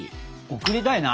贈りたいな。